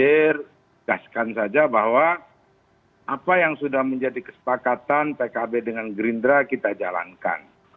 kita tidak usah kita sindir tegaskan saja bahwa apa yang sudah menjadi kesepakatan pkb dengan gerindra kita jalankan